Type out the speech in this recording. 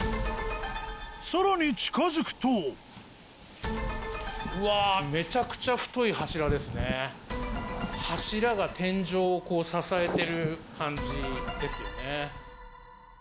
さらに近づくと柱が天井をこう支えてる感じですよね。